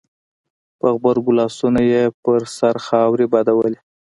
په غبرګو لاسونو يې پر سر خاورې بادولې.